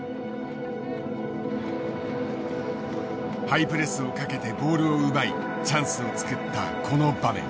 ハイプレスをかけてボールを奪いチャンスを作ったこの場面。